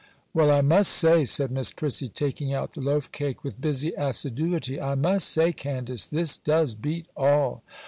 'Well, I must say,' said Miss Prissy, taking out the loaf cake with busy assiduity, 'I must say, Candace, this does beat all!